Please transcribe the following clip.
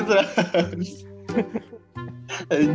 curug sana ya reng